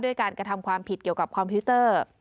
การกระทำความผิดเกี่ยวกับคอมพิวเตอร์